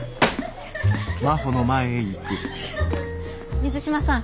水島さん